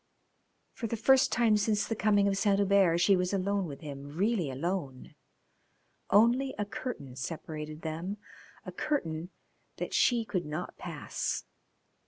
For the first time since the coming of Saint Hubert she was alone with him, really alone. Only a curtain separated them, a curtain that she could not pass.